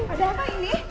ada apa ini